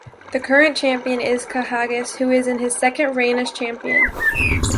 The current champion is Kahagas, who is in his second reign as champion.